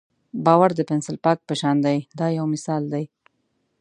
باور د پنسل پاک په شان دی دا یو مثال دی.